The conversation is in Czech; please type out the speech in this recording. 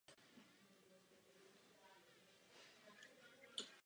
Vše pak leží na platinové pěticípé hvězdě.